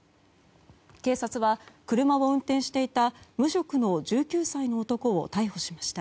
警察は、車を運転していた無職の１９歳の男を逮捕しました。